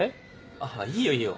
あぁいいよいいよ